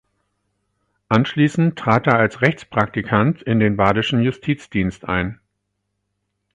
Anschließend trat er als Rechtspraktikant in den badischen Justizdienst ein.